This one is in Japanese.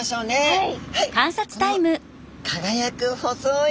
はい。